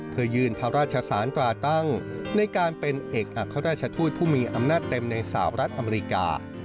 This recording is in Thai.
เพื่อยื่นพระราชสารตราตั้งในการเป็นเอกอัครราชทูตผู้มีอำนาจเต็มในสหรัฐอเมริกา